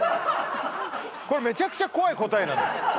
めちゃくちゃ怖い答えなんです